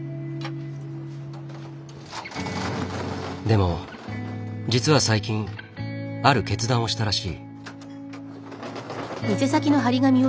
でも実は最近ある決断をしたらしい。